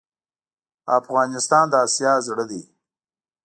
افغانستان د آسیا زړه ده.